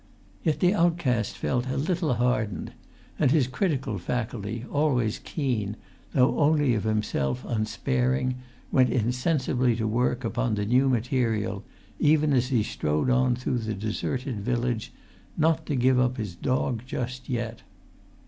Yet the outcast felt a little hardened. And his critical faculty, always keen, though only of himself unsparing, went insensibly to work upon the new[Pg 204] material, even as he strode on through the deserted village, not to give up his dog just yet.